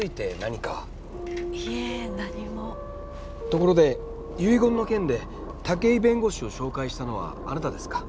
ところで遺言の件で武井弁護士を紹介したのはあなたですか？